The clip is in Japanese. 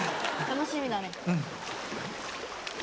楽しみだね。